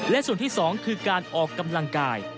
และส่วนที่๒คือการออกกำลังกาย